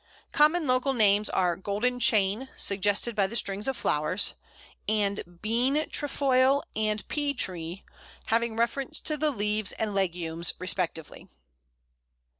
Common local names are Golden Chain, suggested by the strings of flowers, and Bean trefoile and Pea tree, having reference to the leaves and legumes respectively.